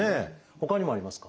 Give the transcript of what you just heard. ほかにもありますか？